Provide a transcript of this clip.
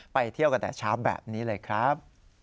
ไปเที่ยวกันแต่เช้าแบบนี้เลยครับ